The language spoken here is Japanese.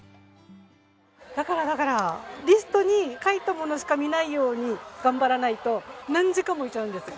だからリストに書いたものしか見ないように頑張らないと何時間もいちゃうんですよ。